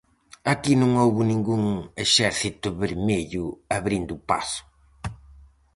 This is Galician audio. Aquí non houbo ningún Exército Vermello abrindo o paso.